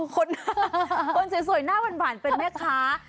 คนสวยหน้าหวานเป็นแม่ค้า